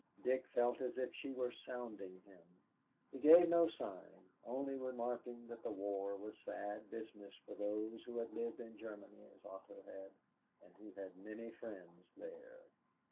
Dick felt as if she were sounding him. He gave no sign, only remarking that the war was sad business for those who had lived in Germany as Otto had and who had many friends there.